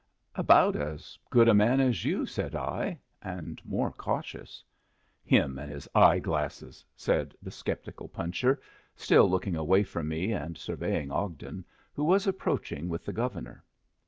"About as good a man as you," said I, "and more cautious." "Him and his eye glasses!" said the sceptical puncher, still looking away from me and surveying Ogden, who was approaching with the Governor.